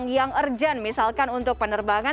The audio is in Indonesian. yang urgent misalkan untuk penerbangan